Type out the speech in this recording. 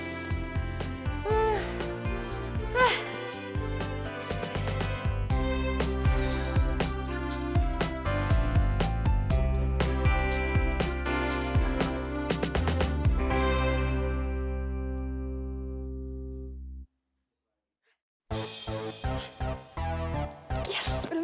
siapa sih ini